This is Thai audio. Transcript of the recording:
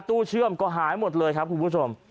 เชื่อมก็หายหมดเลยครับคุณผู้ชม